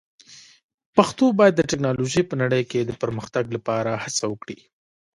پښتو باید د ټکنالوژۍ په نړۍ کې د پرمختګ لپاره هڅه وکړي.